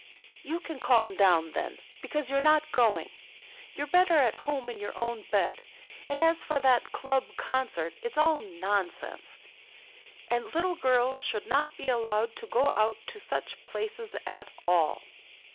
"You can calm down then, because you're not going. You're better at home in your own bed, and as for that club concert, it's all nonsense, and little girls should not be allowed to go out to such places at all."